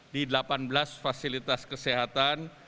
di delapan belas fasilitas kesehatan